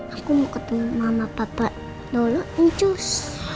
aku mau ketemu mama papa dulu njus